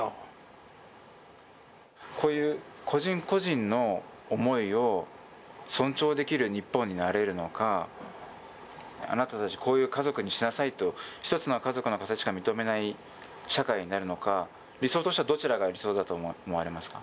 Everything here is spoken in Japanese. こういう個人個人の思いを尊重できる日本になれるのかあなたたちこういう家族にしなさいと一つの家族の形しか認めない社会になるのか理想としてはどちらが理想だと思われますか？